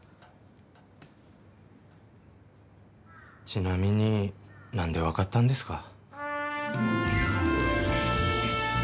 ちなみになんで分かったんですか？